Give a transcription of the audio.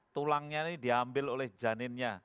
tulangnya ini diambil oleh janinnya